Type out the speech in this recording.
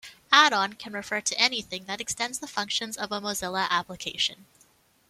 "Add-on" can refer to anything that extends the functions of a Mozilla application.